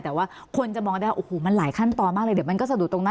แต่ว่าคนจะมองได้ว่าโอ้โหมันหลายขั้นตอนมากเลยเดี๋ยวมันก็สะดุดตรงนั้น